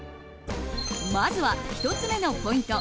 まずは、１つ目のポイント。